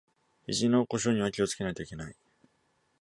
ひじの故障には気をつけないといけない